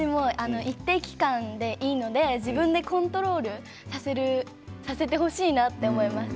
一定期間でいいので自分でコントロールさせてほしいと思う。